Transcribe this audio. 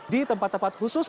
di tempat tempat khusus